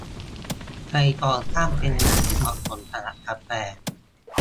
ในตอนค่ำเป็นเวลาที่เหมาะสำหรับกาแฟ